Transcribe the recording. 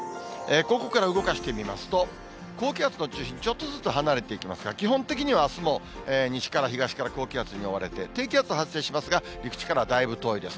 ここから動かしてみますと、高気圧の中心、ちょっとずつ離れていきますが、基本的にはあすも西から東から高気圧に覆われて、低気圧、発生しますが、陸地からはだいぶ遠いです。